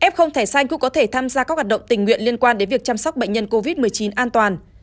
f thẻ xanh cũng có thể tham gia các hoạt động tình nguyện liên quan đến việc chăm sóc bệnh nhân covid một mươi chín an toàn